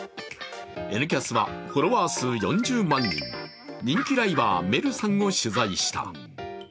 「Ｎキャス」はフォロワー数４０万人、人気ライバー、めるさんを取材した。